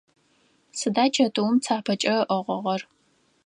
Сыда чэтыум цапэкӏэ ыӏыгъыгъэр?